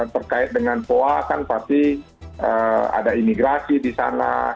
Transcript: terkait dengan poa kan pasti ada imigrasi di sana